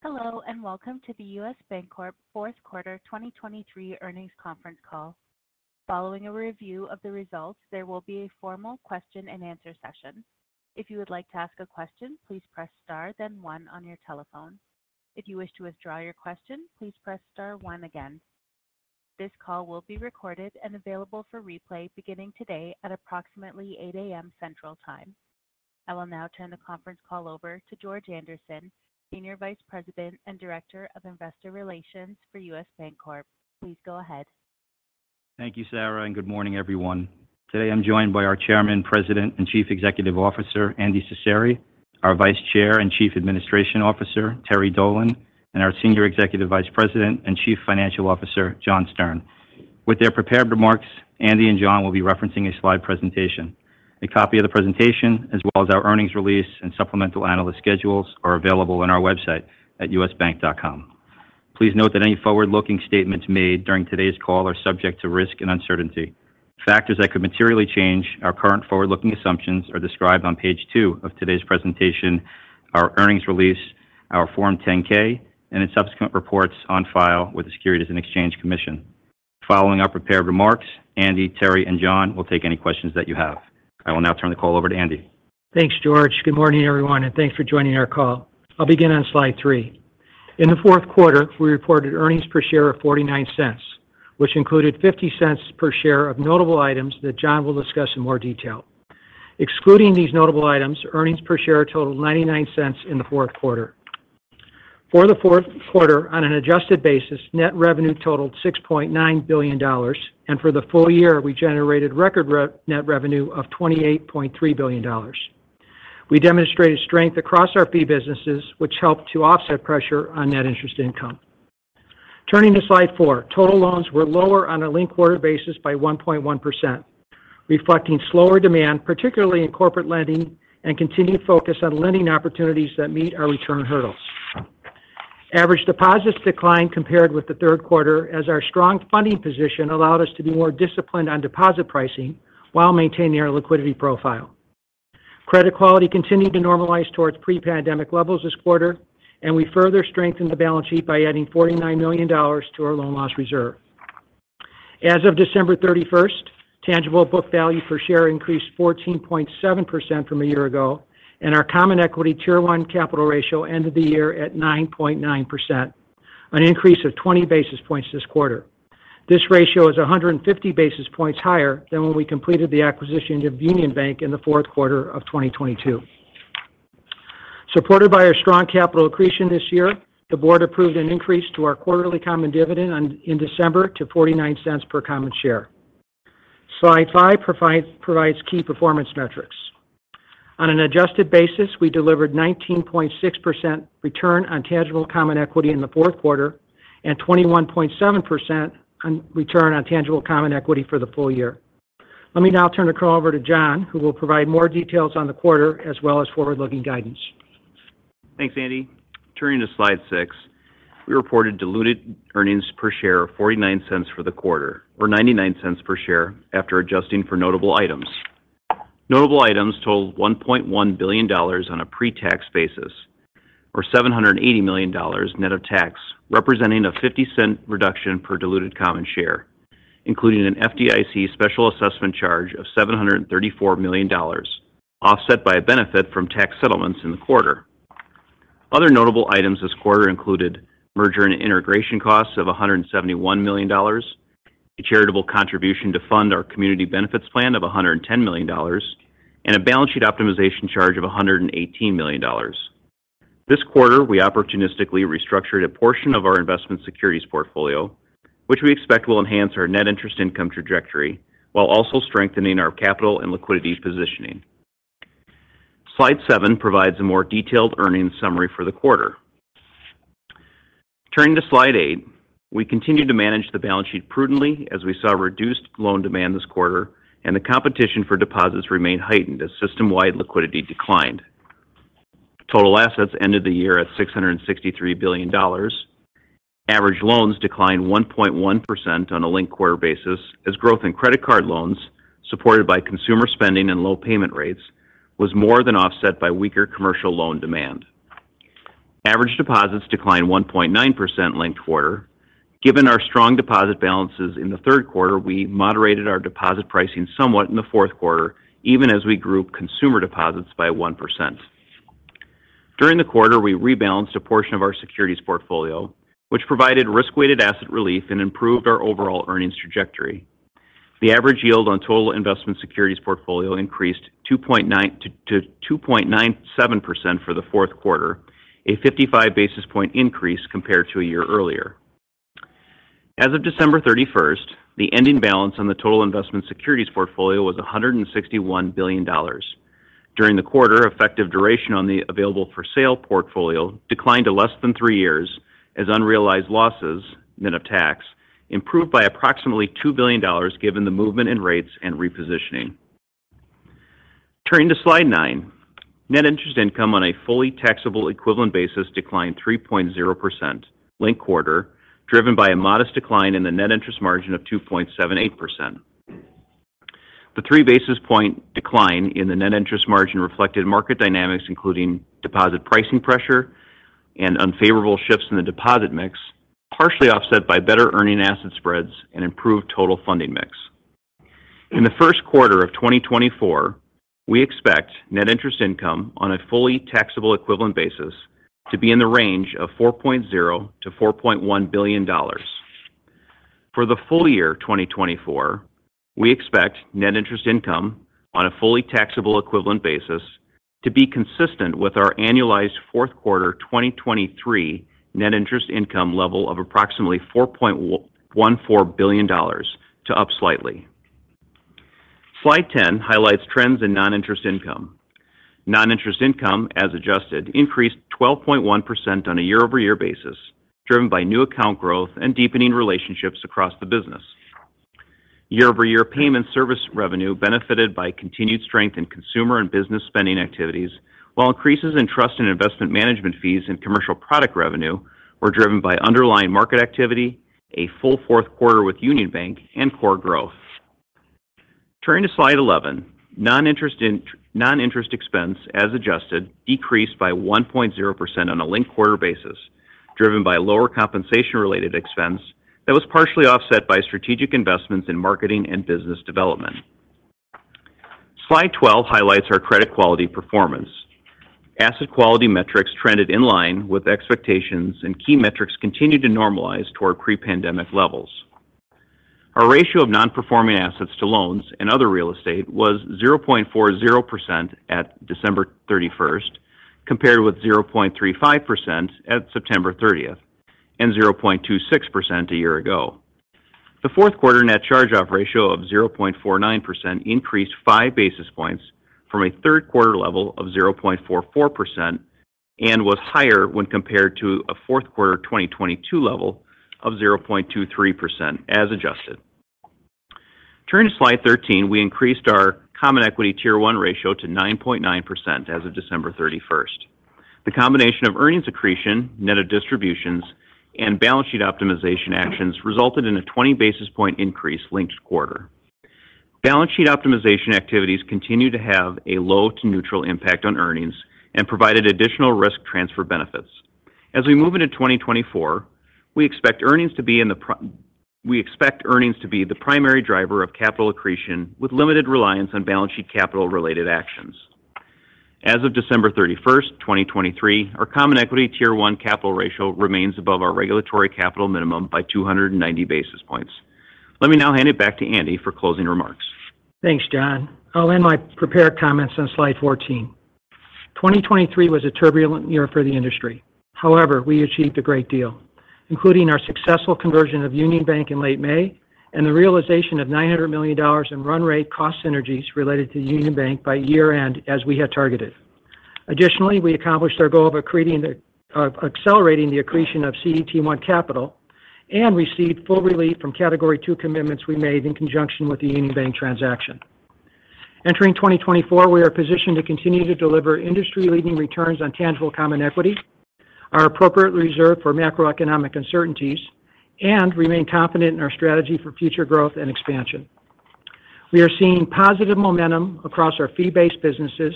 Hello, and welcome to the U.S. Bancorp fourth quarter 2023 earnings conference call. Following a review of the results, there will be a formal question and answer session. If you would like to ask a question, please press star then one on your telephone. If you wish to withdraw your question, please press star one again. This call will be recorded and available for replay beginning today at approximately 8:00 A.M. Central Time. I will now turn the conference call over to George Andersen, Senior Vice President and Director of Investor Relations for U.S. Bancorp. Please go ahead. Thank you, Sarah, and good morning, everyone. Today, I'm joined by our Chairman, President, and Chief Executive Officer, Andy Cecere, our Vice Chair and Chief Administration Officer, Terry Dolan, and our Senior Executive Vice President and Chief Financial Officer, John Stern. With their prepared remarks, Andy and John will be referencing a slide presentation. A copy of the presentation, as well as our earnings release and supplemental analyst schedules, are available on our website at usbank.com. Please note that any forward-looking statements made during today's call are subject to risk and uncertainty. Factors that could materially change our current forward-looking assumptions are described on page two of today's presentation, our earnings release, our Form 10-K, and in subsequent reports on file with the Securities and Exchange Commission. Following our prepared remarks, Andy, Terry, and John will take any questions that you have. I will now turn the call over to Andy. Thanks, George. Good morning, everyone, and thanks for joining our call. I'll begin on slide three. In the fourth quarter, we reported earnings per share of $0.49, which included $0.50 per share of notable items that John will discuss in more detail. Excluding these notable items, earnings per share totaled $0.99 in the fourth quarter. For the fourth quarter, on an adjusted basis, net revenue totaled $6.9 billion, and for the full year, we generated record net revenue of $28.3 billion. We demonstrated strength across our fee businesses, which helped to offset pressure on net interest income. Turning to slide four, total loans were lower on a linked quarter basis by 1.1%, reflecting slower demand, particularly in corporate lending and continued focus on lending opportunities that meet our return hurdles. Average deposits declined compared with the third quarter as our strong funding position allowed us to be more disciplined on deposit pricing while maintaining our liquidity profile. Credit quality continued to normalize towards pre-pandemic levels this quarter, and we further strengthened the balance sheet by adding $49 million to our loan loss reserve. As of December 31st, tangible book value per share increased 14.7% from a year ago, and our Common Equity Tier 1 capital ratio ended the year at 9.9%, an increase of 20 basis points this quarter. This ratio is 150 basis points higher than when we completed the acquisition of Union Bank in the fourth quarter of 2022. Supported by our strong capital accretion this year, the Board approved an increase to our quarterly common dividend on, in December to $0.49 per common share. Slide five provides key performance metrics. On an adjusted basis, we delivered 19.6% return on tangible common equity in the fourth quarter and 21.7% on return on tangible common equity for the full year. Let me now turn the call over to John, who will provide more details on the quarter as well as forward-looking guidance. Thanks, Andy. Turning to slide six, we reported diluted earnings per share of $0.49 for the quarter, or $0.99 per share after adjusting for notable items. Notable items totaled $1.1 billion on a pre-tax basis, or $780 million net of tax, representing a $0.50 reduction per diluted common share, including an FDIC special assessment charge of $734 million, offset by a benefit from tax settlements in the quarter. Other notable items this quarter included merger and integration costs of $171 million, a charitable contribution to fund our Community Benefits Plan of $110 million, and a balance sheet optimization charge of $118 million. This quarter, we opportunistically restructured a portion of our investment securities portfolio, which we expect will enhance our net interest income trajectory while also strengthening our capital and liquidity positioning. Slide seven provides a more detailed earnings summary for the quarter. Turning to slide eight, we continued to manage the balance sheet prudently as we saw reduced loan demand this quarter and the competition for deposits remained heightened as system-wide liquidity declined. Total assets ended the year at $663 billion. Average loans declined 1.1% on a linked quarter basis as growth in credit card loans, supported by consumer spending and low payment rates, was more than offset by weaker commercial loan demand. Average deposits declined 1.9% linked quarter. Given our strong deposit balances in the third quarter, we moderated our deposit pricing somewhat in the fourth quarter, even as we grew consumer deposits by 1%. During the quarter, we rebalanced a portion of our securities portfolio, which provided risk-weighted asset relief and improved our overall earnings trajectory. The average yield on total investment securities portfolio increased 2.9% to 2.97% for the fourth quarter, a 55 basis point increase compared to a year earlier. As of December 31st, the ending balance on the total investment securities portfolio was $161 billion. During the quarter, effective duration on the Available-for-Sale portfolio declined to less than three years, as unrealized losses net of tax improved by approximately $2 billion given the movement in rates and repositioning. Turning to slide nine, net interest income on a fully taxable equivalent basis declined 3.0% linked-quarter, driven by a modest decline in the net interest margin of 2.78%.... The 3 basis point decline in the net interest margin reflected market dynamics, including deposit pricing pressure and unfavorable shifts in the deposit mix, partially offset by better earning asset spreads and improved total funding mix. In the first quarter of 2024, we expect net interest income on a fully taxable equivalent basis to be in the range of $4.0 billion-$4.1 billion. For the full year 2024, we expect net interest income on a fully taxable equivalent basis to be consistent with our annualized fourth quarter 2023 net interest income level of approximately $4.14 billion to up slightly. Slide 10 highlights trends in non-interest income. Non-interest income, as adjusted, increased 12.1% on a year-over-year basis, driven by new account growth and deepening relationships across the business. Year-over-year payment service revenue benefited by continued strength in consumer and business spending activities, while increases in trust and investment management fees and commercial product revenue were driven by underlying market activity, a full fourth quarter with Union Bank, and core growth. Turning to slide 11, non-interest expense as adjusted, decreased by 1.0% on a linked quarter basis, driven by lower compensation-related expense that was partially offset by strategic investments in marketing and business development. Slide 12 highlights our credit quality performance. Asset quality metrics trended in line with expectations, and key metrics continued to normalize toward pre-pandemic levels. Our ratio of non-performing assets to loans and other real estate was 0.40% at December 31st, compared with 0.35% at September 30 and 0.26% a year ago. The fourth quarter net charge-off ratio of 0.49% increased five basis points from a third quarter level of 0.44% and was higher when compared to a fourth quarter 2022 level of 0.23%, as adjusted. Turning to slide 13, we increased our Common Equity Tier 1 ratio to 9.9% as of December 31st. The combination of earnings accretion, net of distributions, and balance sheet optimization actions resulted in a 20 basis point increase linked-quarter. Balance sheet optimization activities continue to have a low-to-neutral impact on earnings and provided additional risk transfer benefits. As we move into 2024, we expect earnings to be the primary driver of capital accretion, with limited reliance on balance sheet capital related actions. As of December 31st, 2023, our common equity Tier 1 capital ratio remains above our regulatory capital minimum by 290 basis points. Let me now hand it back to Andy for closing remarks. Thanks, John. I'll end my prepared comments on slide 14. 2023 was a turbulent year for the industry. However, we achieved a great deal, including our successful conversion of Union Bank in late May and the realization of $900 million in run rate cost synergies related to Union Bank by year-end, as we had targeted. Additionally, we accomplished our goal of accreting the, accelerating the accretion of CET1 capital and received full relief from Category II commitments we made in conjunction with the Union Bank transaction. Entering 2024, we are positioned to continue to deliver industry-leading returns on tangible common equity, our appropriate reserve for macroeconomic uncertainties, and remain confident in our strategy for future growth and expansion. We are seeing positive momentum across our fee-based businesses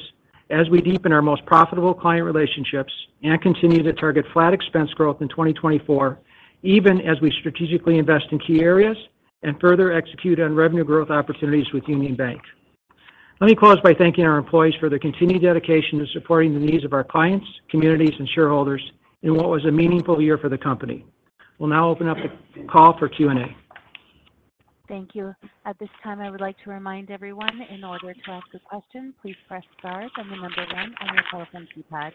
as we deepen our most profitable client relationships and continue to target flat expense growth in 2024, even as we strategically invest in key areas and further execute on revenue growth opportunities with Union Bank. Let me close by thanking our employees for their continued dedication to supporting the needs of our clients, communities, and shareholders in what was a meaningful year for the company. We'll now open up the call for Q&A. Thank you. At this time, I would like to remind everyone, in order to ask a question, please press star, then the number one on your telephone keypad.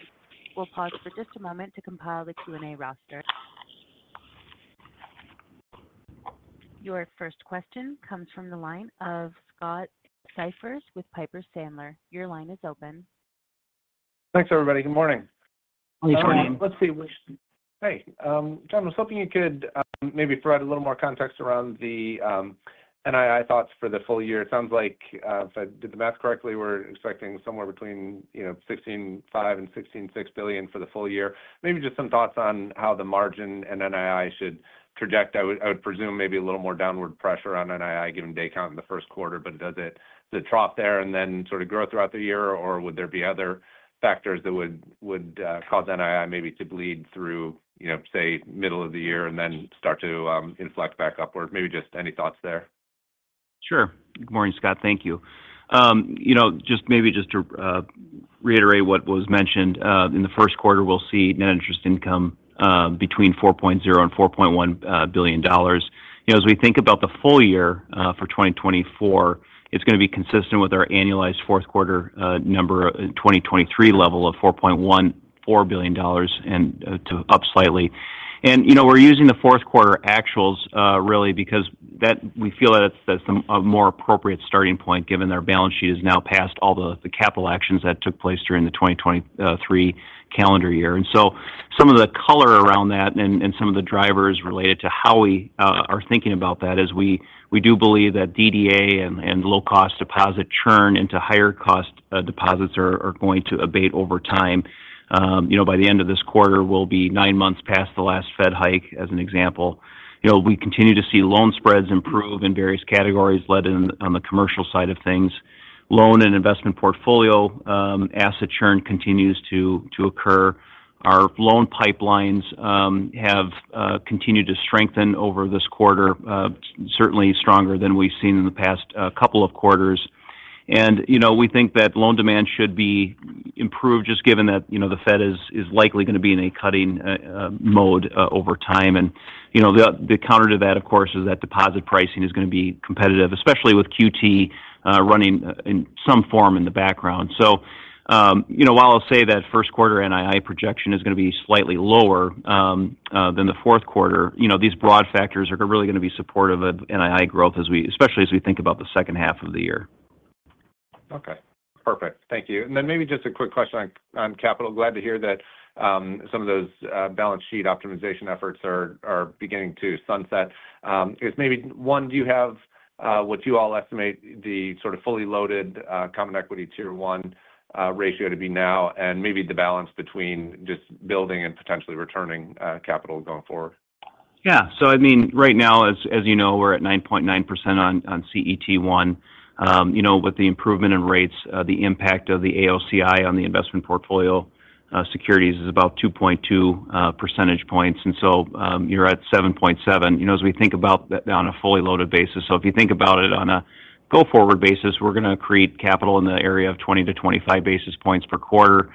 We'll pause for just a moment to compile the Q&A roster. Your first question comes from the line of Scott Siefers with Piper Sandler. Your line is open. Thanks, everybody. Good morning. Good morning. Let's see. Hey, John, I was hoping you could maybe provide a little more context around the NII thoughts for the full year. It sounds like if I did the math correctly, we're expecting somewhere between, you know, $16.5 billion and $16.6 billion for the full year. Maybe just some thoughts on how the margin and NII should project. I would presume maybe a little more downward pressure on NII, given day count in the first quarter, but does it trough there and then sort of grow throughout the year, or would there be other factors that would cause NII maybe to bleed through, you know, say, middle of the year and then start to inflect back upwards? Maybe just any thoughts there? Sure. Good morning, Scott. Thank you. You know, just maybe to reiterate what was mentioned in the first quarter, we'll see net interest income between $4.0 billion and $4.1 billion. You know, as we think about the full year for 2024, it's going to be consistent with our annualized fourth quarter number in 2023 level of $4.14 billion and to up slightly. And, you know, we're using the fourth quarter actuals really because that, we feel that it's a more appropriate starting point, given their balance sheet is now past all the capital actions that took place during the 2023 calendar year. And so-... Some of the color around that and some of the drivers related to how we are thinking about that is we do believe that DDA and low-cost deposit churn into higher cost deposits are going to abate over time. You know, by the end of this quarter, we'll be nine months past the last Fed hike, as an example. You know, we continue to see loan spreads improve in various categories, led in on the commercial side of things. Loan and investment portfolio asset churn continues to occur. Our loan pipelines have continued to strengthen over this quarter, certainly stronger than we've seen in the past couple of quarters. You know, we think that loan demand should be improved, just given that, you know, the Fed is likely going to be in a cutting mode over time. You know, the counter to that, of course, is that deposit pricing is going to be competitive, especially with QT running in some form in the background. So, you know, while I'll say that first quarter NII projection is going to be slightly lower than the fourth quarter, you know, these broad factors are really going to be supportive of NII growth especially as we think about the second half of the year. Okay, perfect. Thank you. And then maybe just a quick question on capital. Glad to hear that some of those balance sheet optimization efforts are beginning to sunset. Do you have what you all estimate the sort of fully loaded Common Equity Tier 1 ratio to be now, and maybe the balance between just building and potentially returning capital going forward? Yeah. So I mean, right now, as you know, we're at 9.9% on CET1. You know, with the improvement in rates, the impact of the AOCI on the investment portfolio securities is about 2.2 percentage points, and so, you're at 7.7. You know, as we think about that on a fully loaded basis, so if you think about it on a go-forward basis, we're going to create capital in the area of 20-25 basis points per quarter.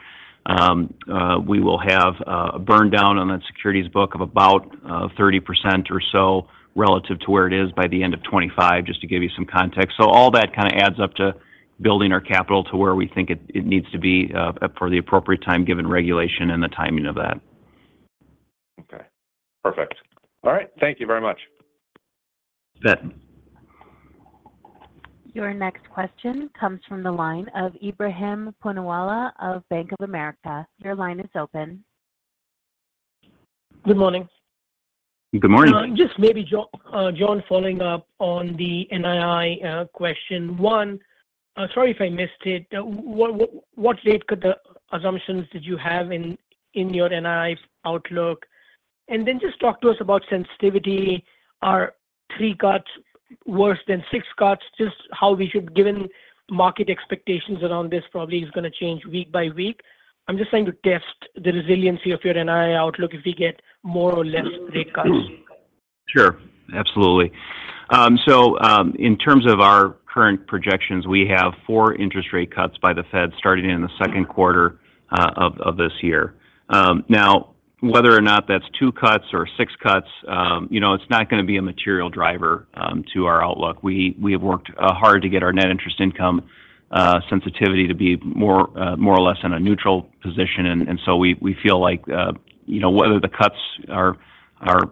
We will have a burn down on that securities book of about 30% or so relative to where it is by the end of 2025, just to give you some context. So all that kind of adds up to building our capital to where we think it, it needs to be, for the appropriate time, given regulation and the timing of that. Okay, perfect. All right. Thank you very much. You bet. Your next question comes from the line of Ebrahim Poonawala of Bank of America. Your line is open. Good morning. Good morning. Just maybe John, following up on the NII question. One, sorry if I missed it. What rate assumptions did you have in your NII outlook? And then just talk to us about sensitivity. Are three cuts worse than six cuts? Just how we should given market expectations around this probably is going to change week by week. I'm just trying to test the resiliency of your NII outlook if we get more or less rate cuts. Sure. Absolutely. So, in terms of our current projections, we have four interest rate cuts by the Fed, starting in the second quarter of this year. Now, whether or not that's two cuts or six cuts, you know, it's not going to be a material driver to our outlook. We have worked hard to get our net interest income sensitivity to be more or less in a neutral position. And so we feel like, you know, whether the cuts are,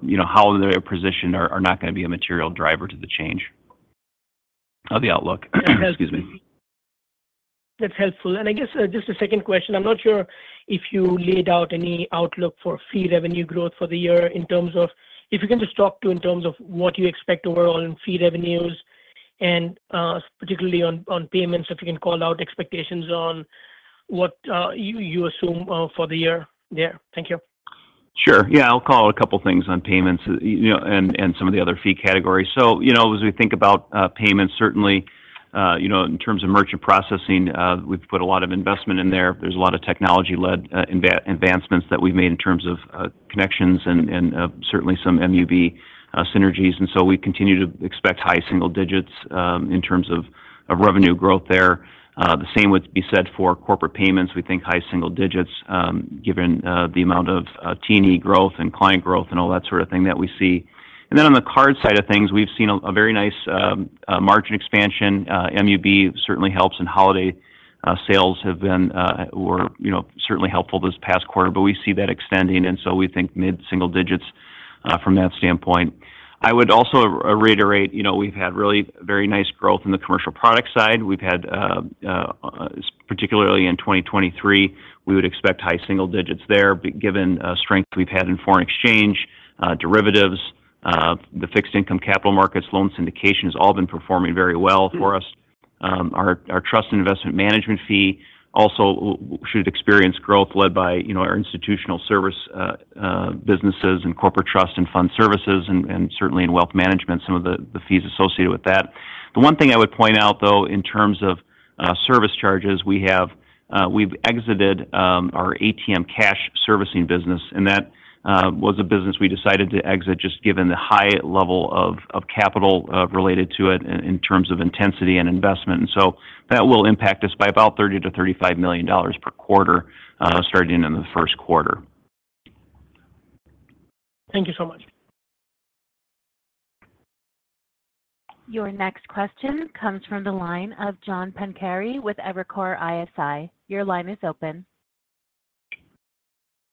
you know, how they're positioned are not going to be a material driver to the change of the outlook. Excuse me. That's helpful. And I guess, just a second question. I'm not sure if you laid out any outlook for fee revenue growth for the year in terms of... If you can just talk to in terms of what you expect overall in fee revenues and, particularly on payments, if you can call out expectations on what you assume for the year there? Thank you. Sure. Yeah, I'll call a couple of things on payments, you know, and some of the other fee categories. So, you know, as we think about payments, certainly, you know, in terms of merchant processing, we've put a lot of investment in there. There's a lot of technology-led advancements that we've made in terms of connections and certainly some MUB synergies. And so we continue to expect high single digits in terms of revenue growth there. The same would be said for Corporate Payments. We think high single digits, given the amount of T&E growth and client growth and all that sort of thing that we see. And then on the card side of things, we've seen a very nice margin expansion. MUB certainly helps, and holiday sales have been, were, you know, certainly helpful this past quarter, but we see that extending, and so we think mid single digits from that standpoint. I would also reiterate, you know, we've had really very nice growth in the commercial product side. We've had, particularly in 2023, we would expect high single digits there. Given, strength we've had in foreign exchange, derivatives, the fixed income capital markets, loan syndication, has all been performing very well for us. Our, our trust and investment management fee also should experience growth led by, you know, our institutional service, businesses and Corporate Trust and Fund Services, and, and certainly in Wealth Management, some of the, the fees associated with that. The one thing I would point out, though, in terms of service charges, we've exited our ATM cash servicing business, and that was a business we decided to exit just given the high level of capital related to it in terms of intensity and investment. And so that will impact us by about $30 million-$35 million per quarter starting in the first quarter. Thank you so much. Your next question comes from the line of John Pancari with Evercore ISI. Your line is open.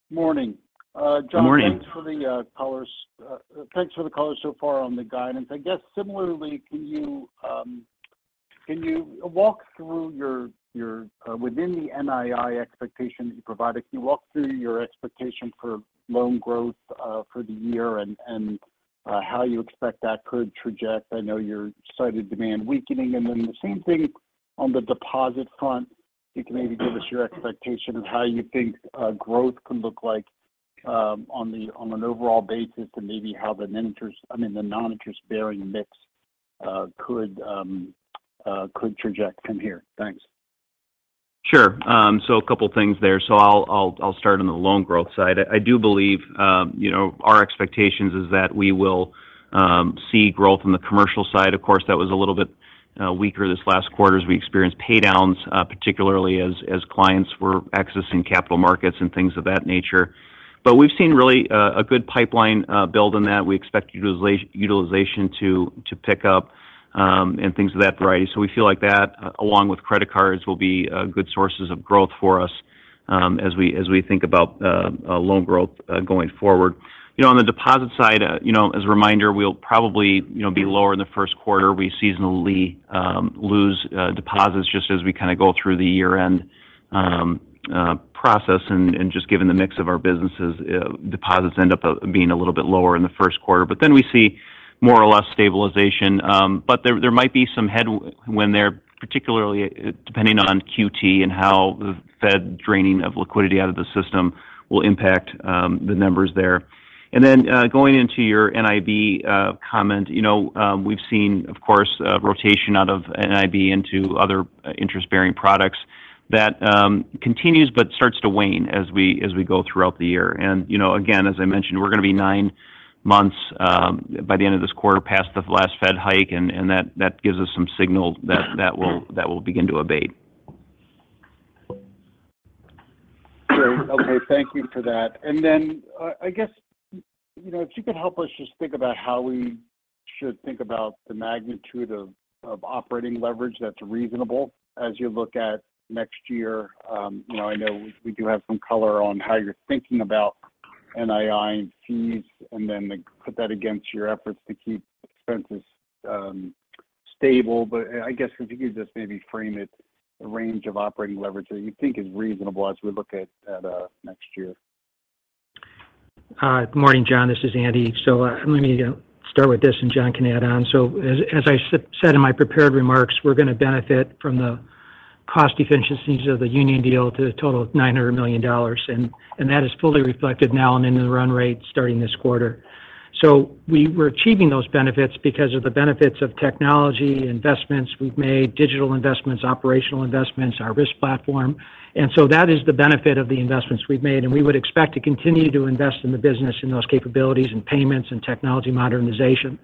Morning. Morning. John, thanks for the colors. Thanks for the color so far on the guidance. I guess similarly, can you,... Can you walk through your within the NII expectations you provided, can you walk through your expectation for loan growth for the year and how you expect that could project? I know you cited demand weakening. And then the same thing on the deposit front. If you can maybe give us your expectation of how you think growth can look like on an overall basis, and maybe how the interest—I mean, the non-interest-bearing mix could project from here? Thanks. Sure. So a couple of things there. So I'll start on the loan growth side. I do believe, you know, our expectations is that we will see growth in the commercial side. Of course, that was a little bit weaker this last quarter as we experienced pay downs, particularly as clients were accessing capital markets and things of that nature. But we've seen really a good pipeline build on that. We expect utilization to pick up, and things of that variety. So we feel like that, along with credit cards, will be good sources of growth for us, as we think about a loan growth going forward. You know, on the deposit side, you know, as a reminder, we'll probably, you know, be lower in the first quarter. We seasonally lose deposits just as we kind of go through the year-end process. And just given the mix of our businesses, deposits end up being a little bit lower in the first quarter. But then we see more or less stabilization. But there might be some headwinds, particularly when depending on QT and how the Fed draining of liquidity out of the system will impact the numbers there. And then going into your NIB comment, you know, we've seen, of course, rotation out of NIB into other interest-bearing products. That continues but starts to wane as we go throughout the year. You know, again, as I mentioned, we're going to be nine months by the end of this quarter past the last Fed hike, and that gives us some signal that that will begin to abate. Great. Okay, thank you for that. And then, I guess, you know, if you could help us just think about how we should think about the magnitude of operating leverage that's reasonable as you look at next year. You know, I know we do have some color on how you're thinking about NII and fees, and then put that against your efforts to keep expenses stable. But I guess if you could just maybe frame it, the range of operating leverage that you think is reasonable as we look at next year. Good morning, John. This is Andy. So, let me start with this, and John can add on. So as I said in my prepared remarks, we're going to benefit from the cost efficiencies of the Union deal to a total of $900 million, and that is fully reflected now and in the run rate starting this quarter. So we're achieving those benefits because of the benefits of technology investments we've made, digital investments, operational investments, our risk platform. And so that is the benefit of the investments we've made, and we would expect to continue to invest in the business in those capabilities and payments and technology modernization.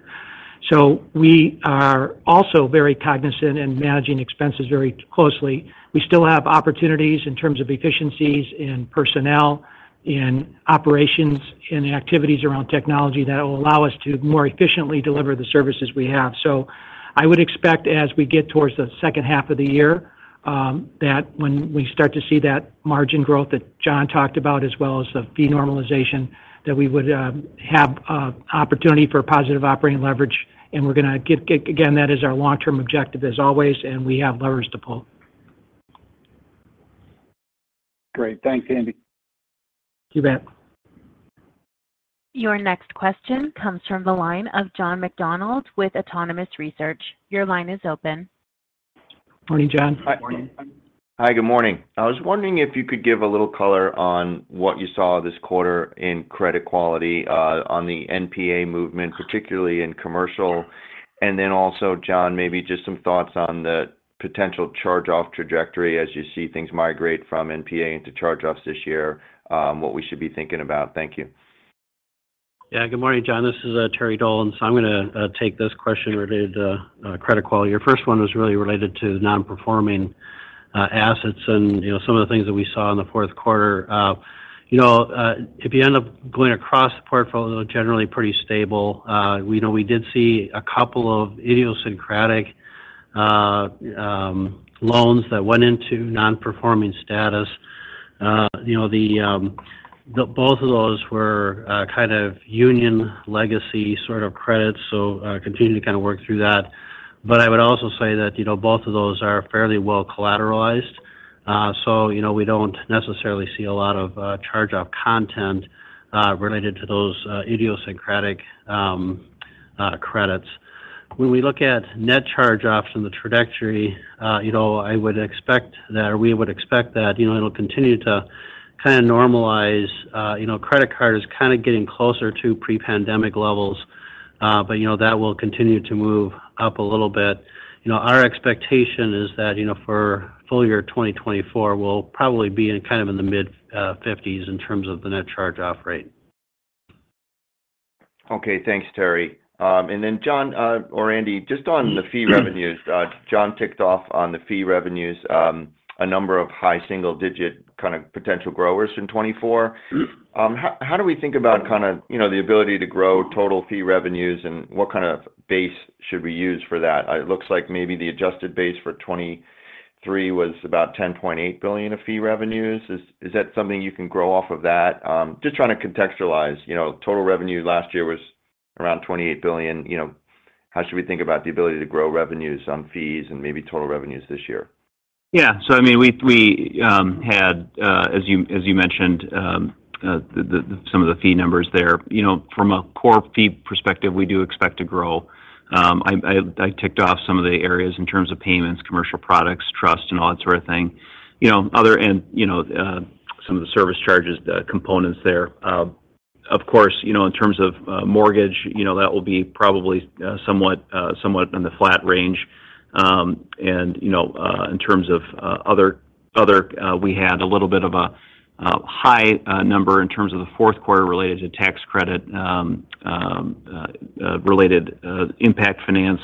So we are also very cognizant in managing expenses very closely. We still have opportunities in terms of efficiencies in personnel, in operations, in activities around technology that will allow us to more efficiently deliver the services we have. So I would expect as we get towards the second half of the year, that when we start to see that margin growth that John talked about, as well as the fee normalization, that we would have opportunity for positive operating leverage, and we're going to get. Again, that is our long-term objective as always, and we have levers to pull. Great. Thanks, Andy. You bet. Your next question comes from the line of John McDonald with Autonomous Research. Your line is open. Morning, John. Good morning. Hi, good morning. I was wondering if you could give a little color on what you saw this quarter in credit quality, on the NPA movement, particularly in commercial. And then also, John, maybe just some thoughts on the potential charge-off trajectory as you see things migrate from NPA into charge-offs this year, what we should be thinking about. Thank you. Yeah. Good morning, John. This is Terry Dolan. So I'm going to take this question related to credit quality. Your first one was really related to non-performing assets and, you know, some of the things that we saw in the fourth quarter. You know, if you end up going across the portfolio, generally pretty stable. We know we did see a couple of idiosyncratic loans that went into non-performing status. You know, both of those were kind of Union legacy sort of credits, so continuing to kind of work through that. But I would also say that, you know, both of those are fairly well collateralized. So, you know, we don't necessarily see a lot of charge-off content related to those idiosyncratic credits. When we look at net charge-offs and the trajectory, you know, I would expect that or we would expect that, you know, it'll continue to kind of normalize. You know, credit card is kind of getting closer to pre-pandemic levels, but, you know, that will continue to move up a little bit. You know, our expectation is that, you know, for full year 2024, we'll probably be in kind of in the mid-50s in terms of the net charge-off rate. Okay. Thanks, Terry. And then John, or Andy, just on the fee revenues. John ticked off on the fee revenues, a number of high single digit kind of potential growers in 2024. Yep. How do we think about kind of, you know, the ability to grow total fee revenues, and what kind of base should we use for that? It looks like maybe the adjusted base for 2023 was about $10.8 billion of fee revenues. Is that something you can grow off of that? Just trying to contextualize. You know, total revenue last year was-... around $28 billion, you know, how should we think about the ability to grow revenues on fees and maybe total revenues this year? Yeah. So I mean, we had, as you mentioned, some of the fee numbers there. You know, from a core fee perspective, we do expect to grow. I ticked off some of the areas in terms of payments, commercial products, trust, and all that sort of thing. You know, other and, you know, some of the service charges, the components there. Of course, you know, in terms of mortgage, you know, that will be probably somewhat in the flat range. And, you know, in terms of other, we had a little bit of a high number in terms of the fourth quarter related to tax credit related Impact Finance,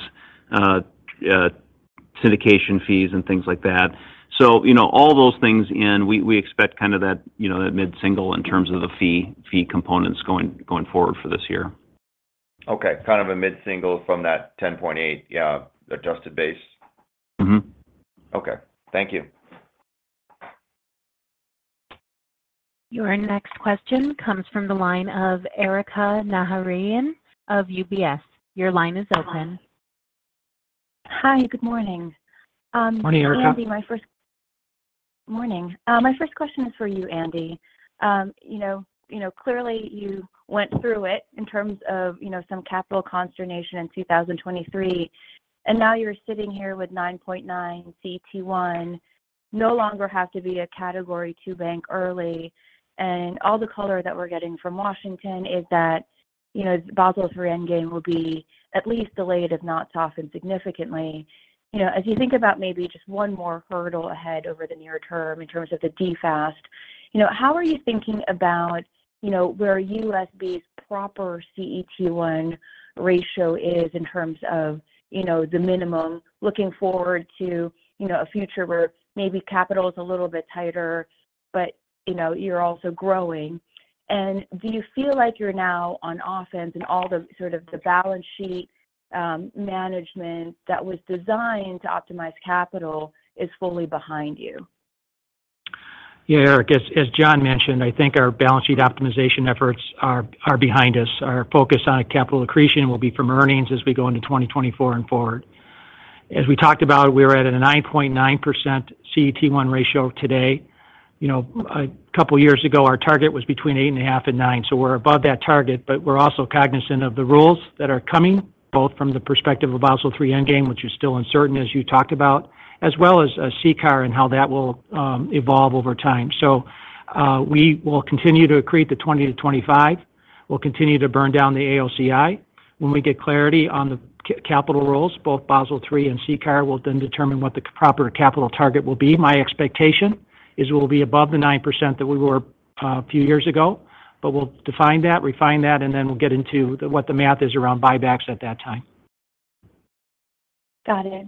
syndication fees and things like that. So, you know, all those things, we expect kind of that, you know, that mid-single in terms of the fee components going forward for this year. Okay. Kind of a mid-single from that 10.8, yeah, adjusted base? Mm-hmm. Okay. Thank you. Your next question comes from the line of Erika Najarian of UBS. Your line is open. Hi, good morning. Morning, Erika. Andy, good morning. My first question is for you, Andy. You know, clearly you went through it in terms of, you know, some capital consternation in 2023, and now you're sitting here with 9.9 CET1, no longer have to be a Category II bank early. And all the color that we're getting from Washington is that, you know, Basel III Endgame will be at least delayed, if not softened significantly. You know, as you think about maybe just one more hurdle ahead over the near term in terms of the DFAST, you know, how are you thinking about, you know, where USB's proper CET1 ratio is in terms of, you know, the minimum, looking forward to, you know, a future where maybe capital is a little bit tighter, but, you know, you're also growing? Do you feel like you're now on offense and all the sort of the balance sheet management that was designed to optimize capital is fully behind you? Yeah, Erika, as John mentioned, I think our balance sheet optimization efforts are behind us. Our focus on capital accretion will be from earnings as we go into 2024 and forward. As we talked about, we're at a 9.9% CET1 ratio today. You know, a couple of years ago, our target was between 8.5 and nine, so we're above that target, but we're also cognizant of the rules that are coming, both from the perspective of Basel III Endgame, which is still uncertain, as you talked about, as well as CCAR and how that will evolve over time. So, we will continue to accrete the 20-25. We'll continue to burn down the AOCI. When we get clarity on the capital rules, both Basel III and CCAR, will then determine what the proper capital target will be. My expectation is we'll be above the 9% that we were a few years ago, but we'll define that, refine that, and then we'll get into the, what the math is around buybacks at that time. Got it.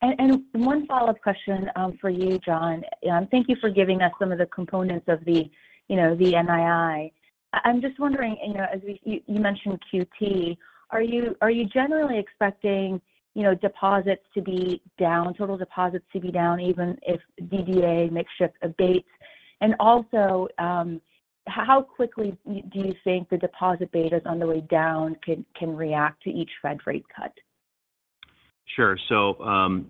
And one follow-up question for you, John. Thank you for giving us some of the components of the, you know, the NII. I'm just wondering, you know, as we, you mentioned QT: Are you generally expecting, you know, deposits to be down, total deposits to be down, even if DDA mix shift abates? And also, how quickly do you think the deposit betas on the way down can react to each Fed rate cut? Sure. So,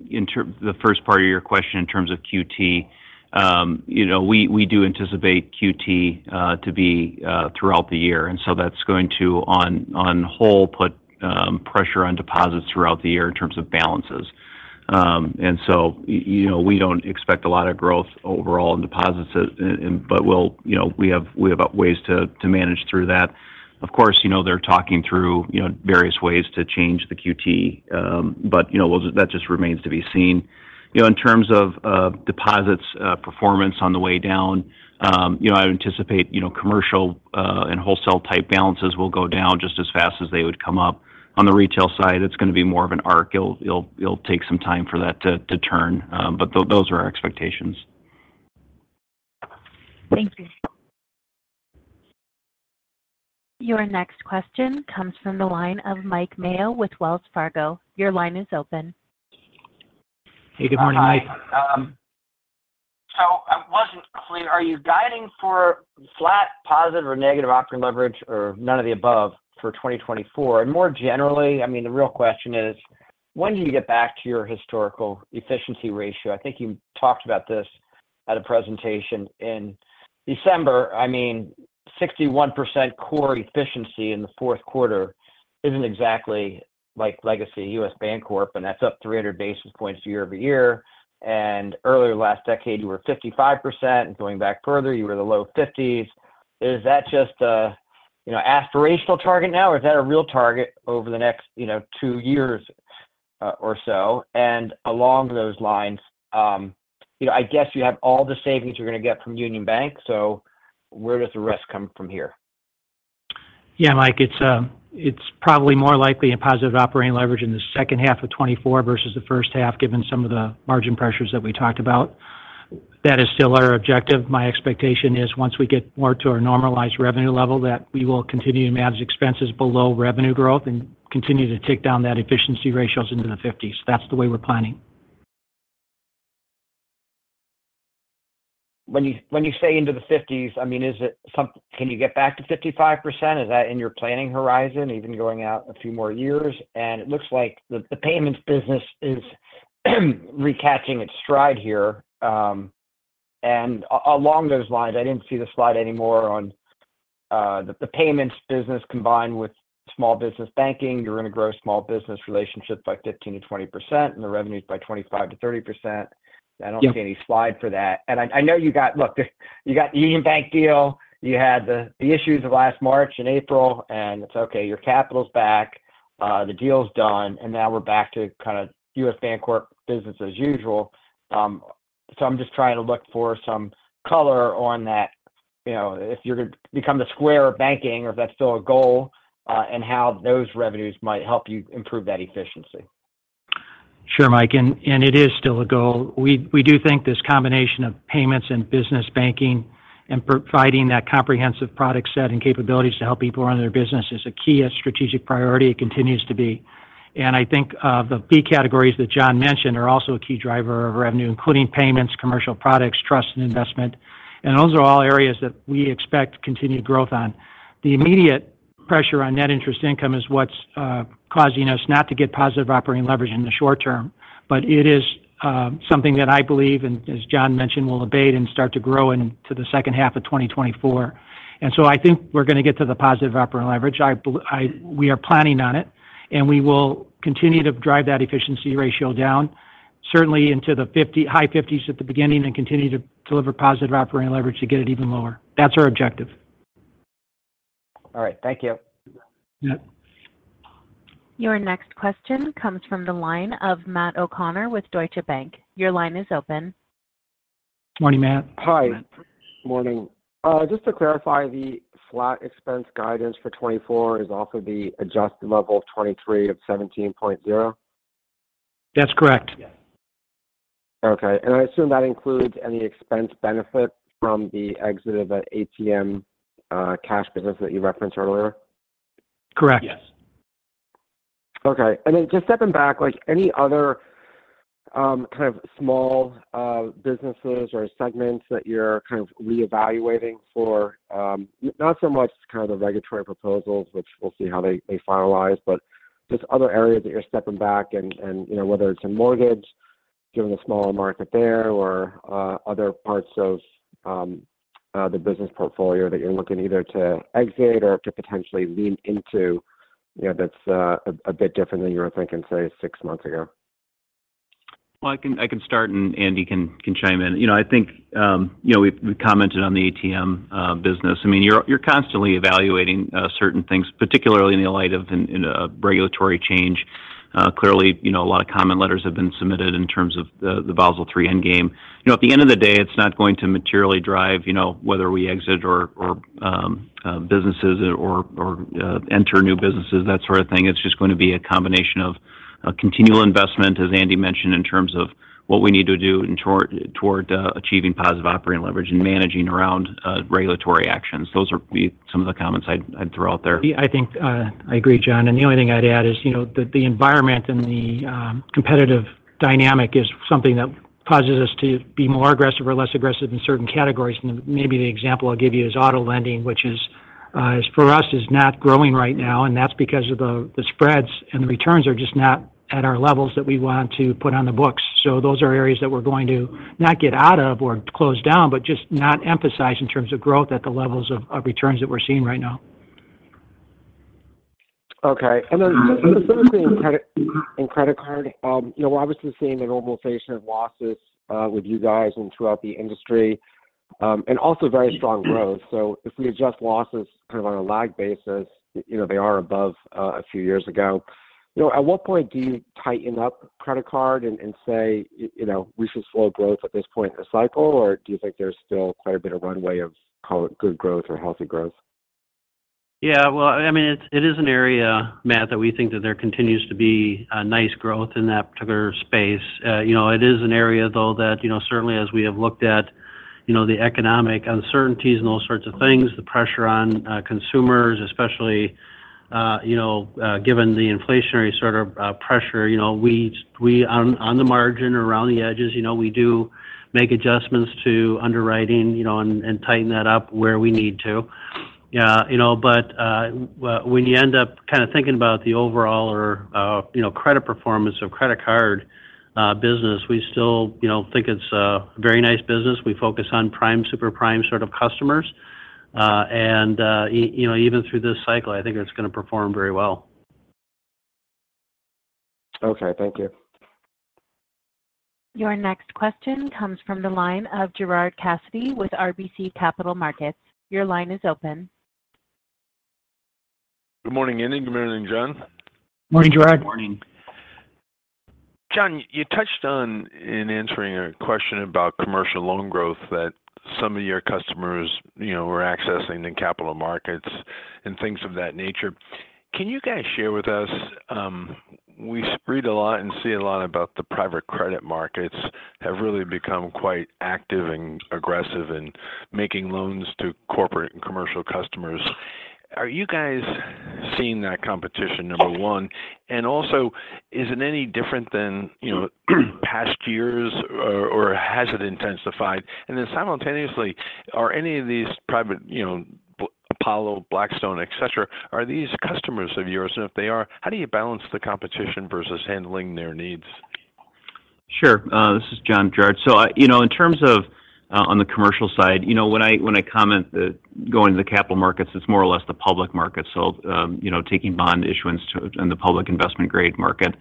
in terms of the first part of your question, in terms of QT, you know, we do anticipate QT to be throughout the year, and so that's going to, on the whole, put pressure on deposits throughout the year in terms of balances. And so, you know, we don't expect a lot of growth overall in deposits, but we have ways to manage through that. Of course, you know, they're talking through various ways to change the QT, but, you know, well, that just remains to be seen. You know, in terms of deposits performance on the way down, you know, I would anticipate, you know, commercial and wholesale type balances will go down just as fast as they would come up. On the retail side, it's going to be more of an arc. It'll take some time for that to turn, but those are our expectations. Thank you. Your next question comes from the line of Mike Mayo with Wells Fargo. Your line is open. Hey, good morning, Mike. Hi. So I was wondering, are you guiding for flat, positive, or negative operating leverage, or none of the above for 2024? And more generally, I mean, the real question is: When do you get back to your historical efficiency ratio? I think you talked about this at a presentation in December. I mean, 61% core efficiency in the fourth quarter isn't exactly like legacy U.S. Bancorp, and that's up 300 basis points year-over-year. And earlier last decade, you were at 55%, and going back further, you were the low 50s%. Is that just a, you know, aspirational target now, or is that a real target over the next, you know, two years, or so? Along those lines, you know, I guess you have all the savings you're going to get from Union Bank, so where does the rest come from here? Yeah, Mike, it's probably more likely a positive operating leverage in the second half of 2024 versus the first half, given some of the margin pressures that we talked about. That is still our objective. My expectation is once we get more to our normalized revenue level, that we will continue to manage expenses below revenue growth and continue to take down that efficiency ratios into the fifties. That's the way we're planning. ... when you say into the 50s, I mean, is it, can you get back to 55%? Is that in your planning horizon, even going out a few more years? And it looks like the payments business is recapturing its stride here. And along those lines, I didn't see the slide anymore on the payments business combined with small business banking. You're going to grow small business relationships by 15%-20%, and the revenues by 25%-30%. Yeah. I don't see any slide for that. And I know you got—look, you got the Union Bank deal, you had the issues of last March and April, and it's okay, your capital's back, the deal's done, and now we're back to kind of U.S. Bancorp business as usual. So I'm just trying to look for some color on that. You know, if you're going to become the Square of banking, or if that's still a goal, and how those revenues might help you improve that efficiency. Sure, Mike, and it is still a goal. We do think this combination of payments and business banking and providing that comprehensive product set and capabilities to help people run their business is a key, a strategic priority. It continues to be. I think of the key categories that John mentioned are also a key driver of revenue, including payments, commercial products, trust, and investment. Those are all areas that we expect continued growth on. The immediate pressure on net interest income is what's causing us not to get positive operating leverage in the short term, but it is something that I believe, and as John mentioned, will abate and start to grow into the second half of 2024. So I think we're going to get to the positive operating leverage. We are planning on it, and we will continue to drive that efficiency ratio down, certainly into the high 50s at the beginning, and continue to deliver positive operating leverage to get it even lower. That's our objective. All right. Thank you. Yeah. Your next question comes from the line of Matt O'Connor with Deutsche Bank. Your line is open. Morning, Matt. Hi. Matt. Morning. Just to clarify, the flat expense guidance for 2024 is also the adjusted level of 2023 of $17.0? That's correct. Yes. Okay. And I assume that includes any expense benefit from the exit of the ATM, cash business that you referenced earlier? Correct. Yes. Okay. And then just stepping back, like, any other kind of small businesses or segments that you're kind of reevaluating for not so much kind of the regulatory proposals, which we'll see how they finalize, but just other areas that you're stepping back and you know, whether it's in mortgage, given the smaller market there, or other parts of the business portfolio that you're looking either to exit or to potentially lean into, you know, that's a bit different than you were thinking, say, six months ago? Well, I can start, and Andy can chime in. You know, I think, you know, we've commented on the ATM business. I mean, you're constantly evaluating certain things, particularly in the light of a regulatory change. Clearly, you know, a lot of comment letters have been submitted in terms of the Basel III Endgame. You know, at the end of the day, it's not going to materially drive, you know, whether we exit or businesses or enter new businesses, that sort of thing. It's just going to be a combination of a continual investment, as Andy mentioned, in terms of what we need to do toward achieving positive operating leverage and managing around regulatory actions. Those would be some of the comments I'd throw out there. I think, I agree, John, and the only thing I'd add is, you know, that the environment and the competitive dynamic is something that causes us to be more aggressive or less aggressive in certain categories. Maybe the example I'll give you is auto lending, which is, for us, is not growing right now, and that's because of the spreads, and the returns are just not at our levels that we want to put on the books. Those are areas that we're going to not get out of or close down, but just not emphasize in terms of growth at the levels of returns that we're seeing right now. Okay. And then in credit, in credit card, you know, we're obviously seeing a normalization of losses with you guys and throughout the industry, and also very strong growth. So if we adjust losses kind of on a lag basis, you know, they are above a few years ago. You know, at what point do you tighten up credit card and say, "You know, we should slow growth at this point in the cycle?" Or do you think there's still quite a bit of runway of good growth or healthy growth? Yeah, well, I mean, it is an area, Matt, that we think that there continues to be a nice growth in that particular space. You know, it is an area though that, you know, certainly as we have looked at, you know, the economic uncertainties and those sorts of things, the pressure on consumers, especially, you know, given the inflationary sort of pressure, you know, we on the margin or around the edges, you know, we do make adjustments to underwriting, you know, and tighten that up where we need to. You know, but when you end up kind of thinking about the overall or, you know, credit performance of credit card business, we still, you know, think it's a very nice business. We focus on prime, super prime sort of customers. You know, even through this cycle, I think it's going to perform very well. Okay, thank you. Your next question comes from the line of Gerard Cassidy with RBC Capital Markets. Your line is open. Good morning, Andy, good morning, John. Morning, Gerard. Good morning. John, you touched on, in answering a question about commercial loan growth, that some of your customers, you know, were accessing the capital markets and things of that nature. Can you guys share with us? We read a lot and see a lot about the private credit markets have really become quite active and aggressive in making loans to corporate and commercial customers. Are you guys seeing that competition, number one? And also, is it any different than, you know, past years or has it intensified? And then simultaneously, are any of these private, you know, Apollo, Blackstone, et cetera, are these customers of yours? And if they are, how do you balance the competition versus handling their needs? Sure. This is John Gerrard. So you know, in terms of on the commercial side, you know, when I comment that going to the capital markets, it's more or less the public market. So you know, taking bond issuance to in the public investment grade market.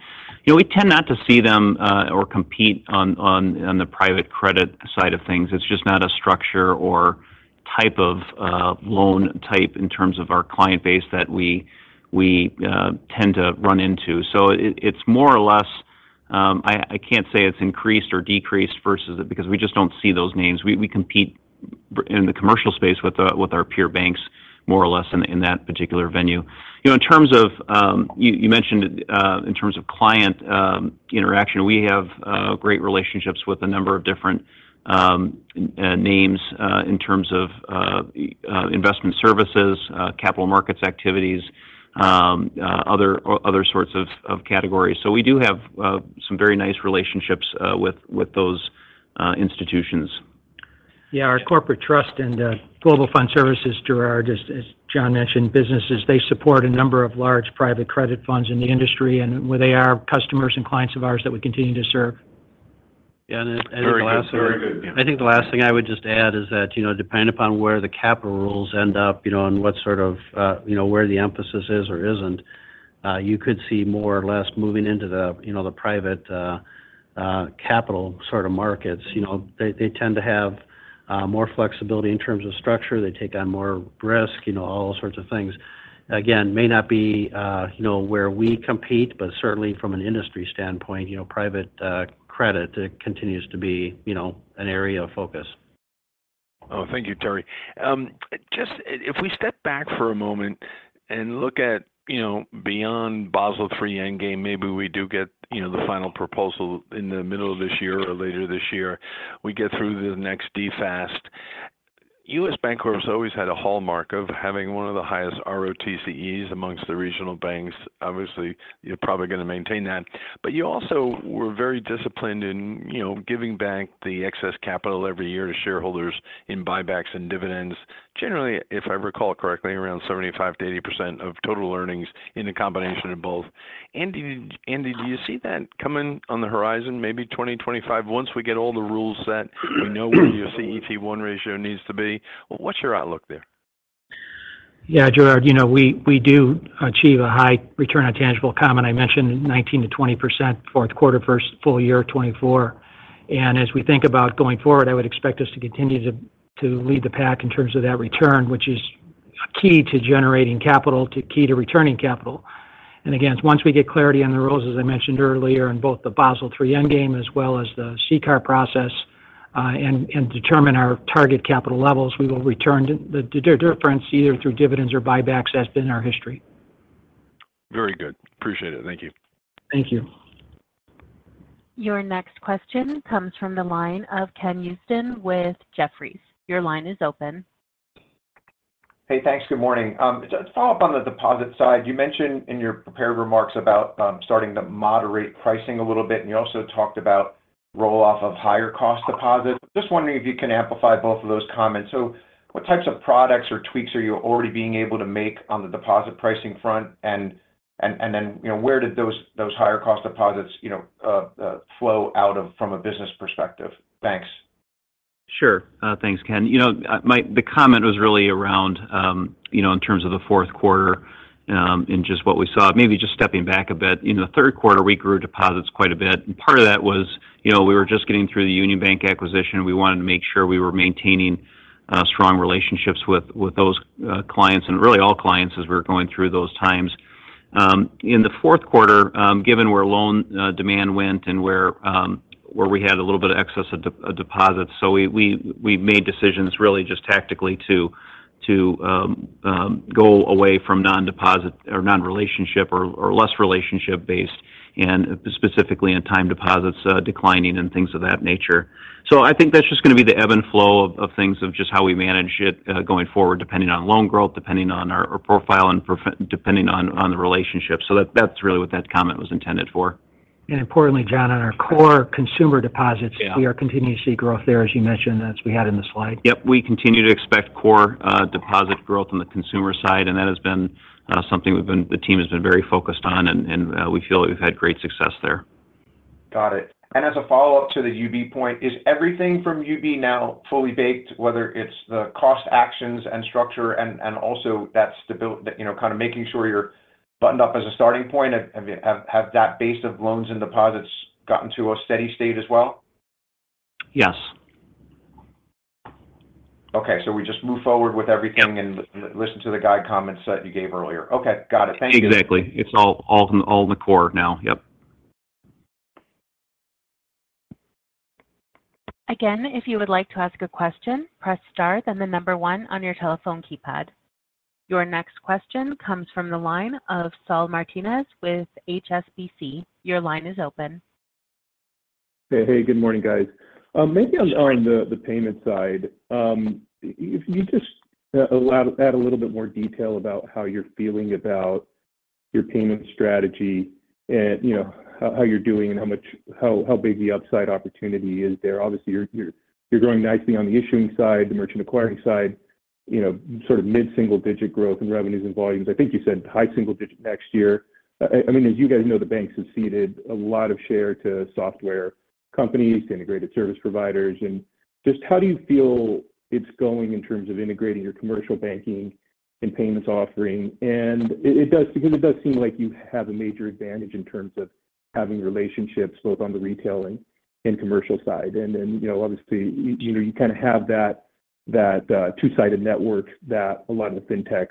You know, we tend not to see them or compete on the private credit side of things. It's just not a structure or type of loan type in terms of our client base that we tend to run into. So it, it's more or less, I can't say it's increased or decreased versus it because we just don't see those names. We compete in the commercial space with our peer banks more or less in that particular venue. You know, in terms of, you mentioned, in terms of client interaction, we have great relationships with a number of different names, in terms of investment services, capital markets activities, other sorts of categories. So we do have some very nice relationships with those institutions. Yeah, our Corporate Trust and Global Fund Services, Gerard, as John mentioned, businesses, they support a number of large private credit funds in the industry, and they are customers and clients of ours that we continue to serve. Very good. Very good. Yeah, and I think the last thing I would just add is that, you know, depending upon where the capital rules end up, you know, and what sort of, you know, where the emphasis is or isn't, you could see more or less moving into the, you know, the private, capital sort of markets. You know, they, they tend to have, more flexibility in terms of structure. They take on more risk, you know, all sorts of things. Again, may not be, you know, where we compete, but certainly from an industry standpoint, you know, private, credit, it continues to be, you know, an area of focus. Oh, thank you, Terry. Just if we step back for a moment and look at, you know, beyond Basel III Endgame, maybe we do get, you know, the final proposal in the middle of this year or later this year. We get through the next DFAST. U.S. Bancorp has always had a hallmark of having one of the highest ROTCEs amongst the regional banks. Obviously, you're probably going to maintain that. But you also were very disciplined in, you know, giving back the excess capital every year to shareholders in buybacks and dividends. Generally, if I recall correctly, around 75%-80% of total earnings in a combination of both. Andy, Andy, do you see that coming on the horizon, maybe 2025, once we get all the rules set, we know where your CET1 ratio needs to be? What's your outlook there? Yeah, Gerard, you know, we do achieve a high return on tangible common. I mentioned 19%-20%, fourth quarter, first full year, 2024. And as we think about going forward, I would expect us to continue to lead the pack in terms of that return, which is key to generating capital, it's key to returning capital. And again, once we get clarity on the rules, as I mentioned earlier, in both the Basel III Endgame as well as the CCAR process, and determine our target capital levels, we will return to the difference, either through dividends or buybacks, as has been our history. Very good. Appreciate it. Thank you. Thank you. Your next question comes from the line of Ken Usdin with Jefferies. Your line is open. Hey, thanks. Good morning. Just a follow-up on the deposit side. You mentioned in your prepared remarks about starting to moderate pricing a little bit, and you also talked about roll-off of higher cost deposits. Just wondering if you can amplify both of those comments. So what types of products or tweaks are you already being able to make on the deposit pricing front? And then, you know, where did those higher cost deposits, you know, flow out of from a business perspective? Thanks. Sure. Thanks, Ken. You know, the comment was really around, you know, in terms of the fourth quarter, and just what we saw. Maybe just stepping back a bit. In the third quarter, we grew deposits quite a bit, and part of that was, you know, we were just getting through the Union Bank acquisition, and we wanted to make sure we were maintaining strong relationships with those clients and really all clients as we were going through those times. In the fourth quarter, given where loan demand went and where we had a little bit of excess of deposits, so we made decisions really just tactically to go away from non-deposit or non-relationship or less relationship based, and specifically in time deposits, declining and things of that nature. So I think that's just going to be the ebb and flow of things, of just how we manage it, going forward, depending on loan growth, depending on our profile, and depending on the relationship. So that, that's really what that comment was intended for. Importantly, John, on our core consumer deposits- Yeah... we are continuing to see growth there, as you mentioned, as we had in the slide. Yep. We continue to expect core deposit growth on the consumer side, and that has been something the team has been very focused on, and we feel we've had great success there. Got it. And as a follow-up to the UB point, is everything from UB now fully baked, whether it's the cost actions and structure and also that stabil- you know, kind of making sure you're buttoned up as a starting point? Have that base of loans and deposits gotten to a steady state as well? Yes. Okay, so we just move forward with everything- Yeah... and listen to the guide comments that you gave earlier. Okay, got it. Thank you. Exactly. It's all in the core now. Yep. Again, if you would like to ask a question, press star, then the number one on your telephone keypad. Your next question comes from the line of Saul Martinez with HSBC. Your line is open.... Hey, good morning, guys. Maybe on the payment side, if you just add a little bit more detail about how you're feeling about your payment strategy and, you know, how you're doing and how big the upside opportunity is there. Obviously, you're growing nicely on the issuing side, the merchant acquiring side, you know, sort of mid-single-digit growth in revenues and volumes. I think you said high single digit next year. I mean, as you guys know, the banks have ceded a lot of share to software companies, to integrated service providers. And just how do you feel it's going in terms of integrating your commercial banking and payments offering? And it does, because it does seem like you have a major advantage in terms of having relationships, both on the retail and commercial side. And then, you know, obviously, you know, you kind of have that two-sided network that a lot of the fintechs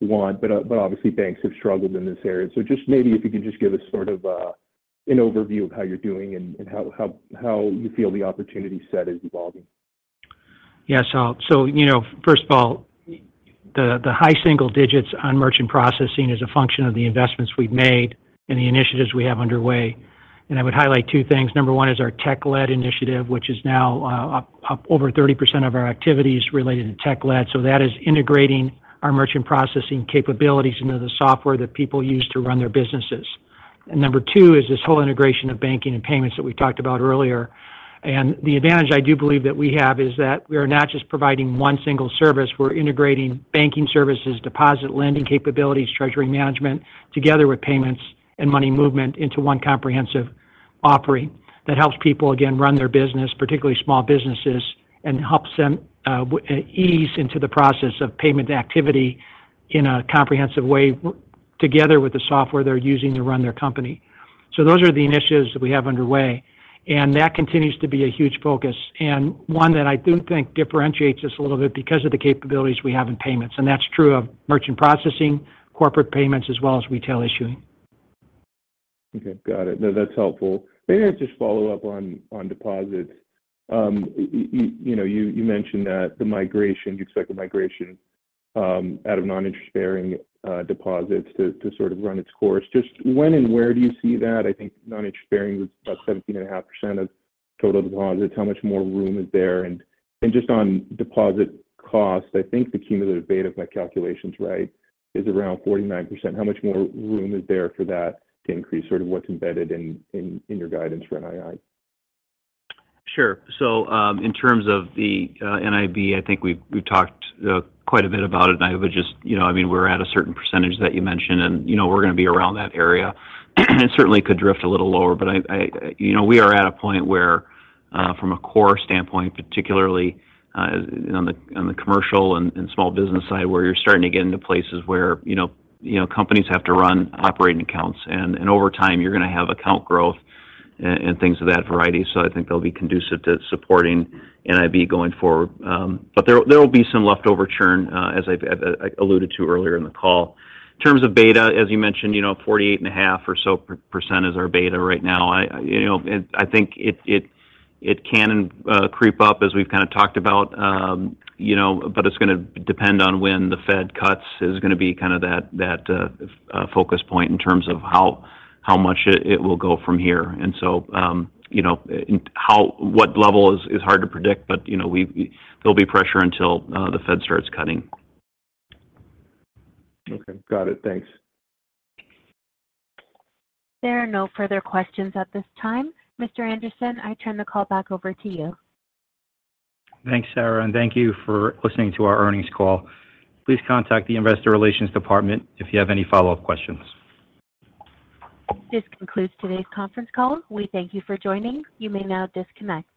want, but obviously, banks have struggled in this area. So just maybe if you could just give us sort of an overview of how you're doing and how you feel the opportunity set is evolving. Yeah, so, you know, first of all, the high single digits on merchant processing is a function of the investments we've made and the initiatives we have underway. And I would highlight two things. Number one is our tech-led initiative, which is now up over 30% of our activity is related to tech-led. So that is integrating our merchant processing capabilities into the software that people use to run their businesses. And number two is this whole integration of banking and payments that we talked about earlier. The advantage I do believe that we have is that we are not just providing one single service, we're integrating banking services, deposit lending capabilities, treasury management, together with payments and money movement into one comprehensive offering that helps people, again, run their business, particularly small businesses, and helps them ease into the process of payment activity in a comprehensive way together with the software they're using to run their company. Those are the initiatives that we have underway, and that continues to be a huge focus, and one that I do think differentiates us a little bit because of the capabilities we have in payments. That's true of merchant processing, Corporate Payments, as well as retail issuing. Okay, got it. No, that's helpful. Maybe I'll just follow up on deposits. You know, you mentioned that the migration you expect the migration out of non-interest bearing deposits to sort of run its course. Just when and where do you see that? I think non-interest bearing was about 17.5% of total deposits. How much more room is there? And just on deposit costs, I think the cumulative beta, if my calculation's right, is around 49%. How much more room is there for that to increase, sort of what's embedded in your guidance for NII? Sure. So, in terms of the, NIB, I think we've talked quite a bit about it, and I would just... You know, I mean, we're at a certain percentage that you mentioned, and, you know, we're going to be around that area. And certainly could drift a little lower, but I, you know, we are at a point where, from a core standpoint, particularly, on the, on the commercial and small business side, where you're starting to get into places where, you know, companies have to run operating accounts. And over time, you're going to have account growth and things of that variety. So I think they'll be conducive to supporting NIB going forward. But there will be some leftover churn, as I've alluded to earlier in the call. In terms of beta, as you mentioned, you know, 48.5% or so is our beta right now. I, you know, it—I think it can creep up, as we've kind of talked about, you know, but it's gonna depend on when the Fed cuts, is gonna be kind of that focus point in terms of how much it will go from here. And so, you know, how, what level is hard to predict, but, you know, there'll be pressure until the Fed starts cutting. Okay. Got it. Thanks. There are no further questions at this time. Mr. Andersen, I turn the call back over to you. Thanks, Sarah, and thank you for listening to our earnings call. Please contact the Investor Relations Department if you have any follow-up questions. This concludes today's conference call. We thank you for joining. You may now disconnect.